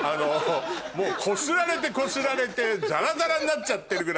もうこすられてこすられてザラザラになっちゃってるぐらい。